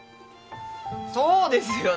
そうですよね！